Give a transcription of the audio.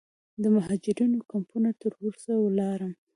د مهاجرینو کمپونو ته ورسره ولاړم.